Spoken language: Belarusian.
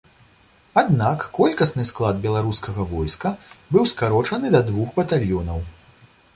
Аднак, колькасны склад беларускага войска быў скарочаны да двух батальёнаў.